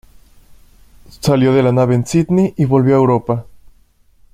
Salió de la nave en Sydney y volvió a Europa.